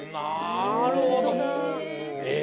なるほど！え！